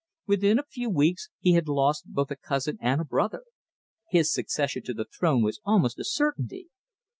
Within a few weeks he had lost both a cousin and a brother. His succession to the throne was almost a certainty.